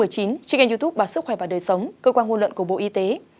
trên kênh youtube sức khỏe và đời sống cơ quan ngôn luận của bộ y tế